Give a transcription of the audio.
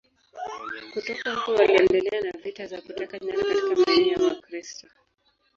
Kutoka huko waliendelea na vita za kuteka nyara katika maeneo ya Wakristo.